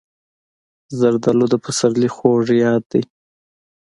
زردالو د پسرلي خوږ یاد دی.